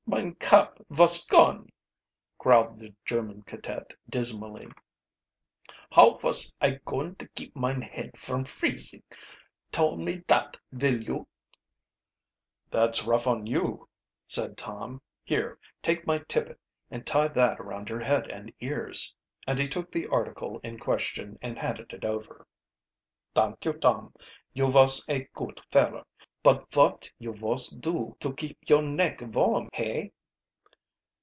"Mine cap vos gone," growled the German cadet dismally. "How vos I going to keep mine head from freezing, tole me dot, vill you?" "That's rough on you," said Tom. "Here, take my tippet and tie that around your head and ears." And he took the article in question and handed it over. "Dank you, Tom, you vos a goot feller. But vot you vos do to keep your neck varm, hey?"